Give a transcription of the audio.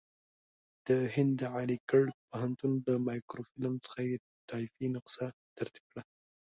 د هند د علیګړ پوهنتون له مایکروفیلم څخه یې ټایپي نسخه ترتیب کړه.